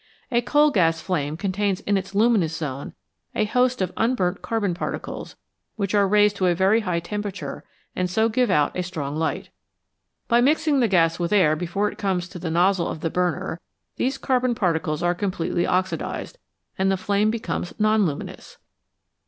A coal gas flame contains in its luminous zone a host of unburnt carbon particles which are raised to a very high temperature and so give out a strong light. By mixing the gas with air before it comes to the nozzle of the burner these carbon particles are completely oxidised, and the flame becomes non luminous.